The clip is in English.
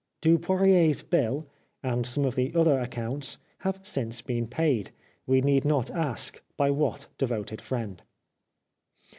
Dupoirier's bill, and some of the other accounts, have since been paid — we need not ask by what devoted friend.